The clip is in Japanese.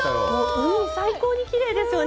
海、最高にきれいですよね。